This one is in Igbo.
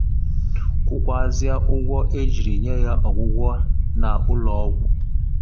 kwụkwazie ụgwọ e jiri nye ha ọgwụgwọ n'ụlọ ọgwụ.